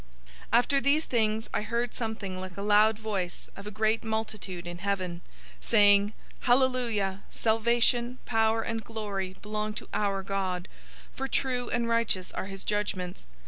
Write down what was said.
019:001 After these things I heard something like a loud voice of a great multitude in heaven, saying, "Hallelujah! Salvation, power, and glory belong to our God: 019:002 for true and righteous are his judgments.